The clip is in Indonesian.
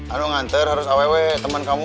ano nganter harus awwe temen kamu